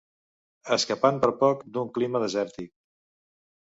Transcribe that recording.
Escapant per poc d'un clima desèrtic.